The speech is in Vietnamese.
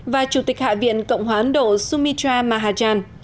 và chủ tịch hạ viện cộng hòa ấn độ sumitra mahachan